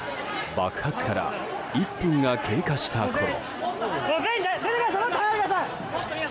爆発から１分が経過したころ。